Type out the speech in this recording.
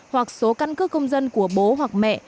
hoặc số căn cước công dân của bố hoặc mẹ